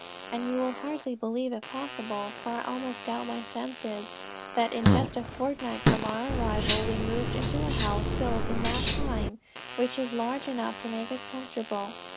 And you will hardly believe it possible, for I almost doubt my senses, that in just a fortnight from our arrival, we moved into a house built in that time, which is large enough to make us comfortable.